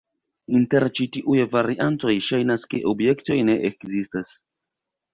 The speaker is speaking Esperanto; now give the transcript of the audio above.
Inter ĉi tiuj variantoj ŝajnas ke objektoj ne ekzistas.